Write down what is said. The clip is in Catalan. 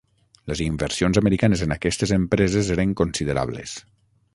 Les inversions americanes en aquestes empreses eren considerables.